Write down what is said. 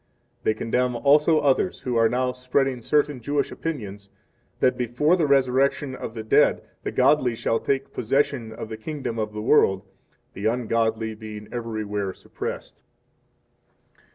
5 They condemn also others who are now spreading certain Jewish opinions, that before the resurrection of the dead the godly shall take possession of the kingdom of the world, the ungodly being everywhere suppressed.